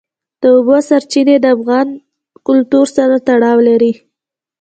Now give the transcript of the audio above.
د اوبو سرچینې د افغان کلتور سره تړاو لري.